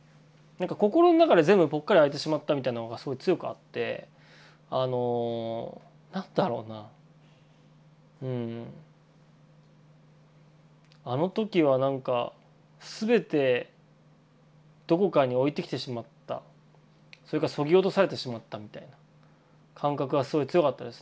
心の中で全部ぽっかり開いてしまったみたいなのがすごい強くあって何だろうなあの時はなんか全てどこかに置いてきてしまったそれか削ぎ落とされてしまったみたいな感覚はすごい強かったですね。